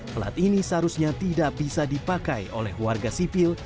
plat ini seharusnya tidak bisa dipakai oleh warga sivil